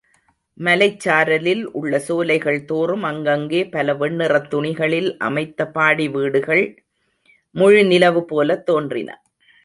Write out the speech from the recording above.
மலைச்சாரலில் உள்ள சோலைகள் தோறும் அங்கங்கே பல வெண்ணிறத் துணிகளில் அமைத்த பாடி வீடுகள் முழுநிலவு போலத் தோன்றின.